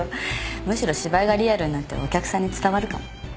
むしろ芝居がリアルになってお客さんに伝わるかも。